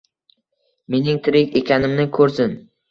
Mening tirik ekanimni ko`rsin